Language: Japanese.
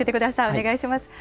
お願いします。